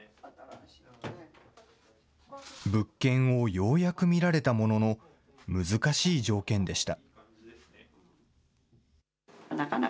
物件をようやく見られたものの、難しい条件でした。